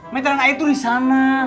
meteran air itu di sana